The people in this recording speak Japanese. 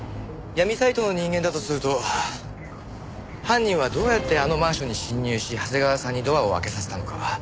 闇サイトの人間だとすると犯人はどうやってあのマンションに侵入し長谷川さんにドアを開けさせたのか？